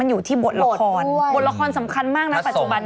อยู่ที่บทละครบทละครสำคัญมากนะปัจจุบัน